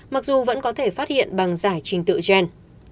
mặc dù vẫn có thể phát hiện bằng giải trình tự gen